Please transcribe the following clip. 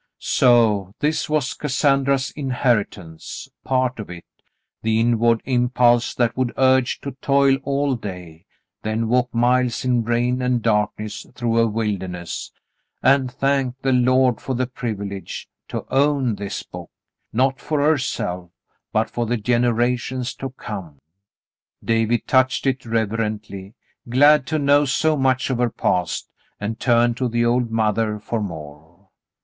So this was Cassandra's inheritance — part of it — the inward impulse that would urge to toil all day, then walk miles in rain and darkness through a wilderness, and thank the Lord for the privilege — to own this book — not for herself, but for the generations to come. David touched it reverently, glad to know so much of her past, and turned to the old mother for more.